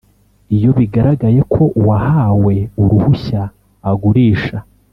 Iyo bigaragaye ko uwahawe uruhushya agurisha